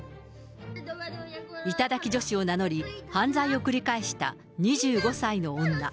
頂き女子を名乗り、犯罪を繰り返した２５歳の女。